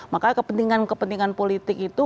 maka kepentingan kepentingan politik itu